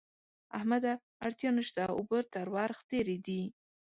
احمده! اړتیا نه شته؛ اوبه تر ورخ تېرې دي.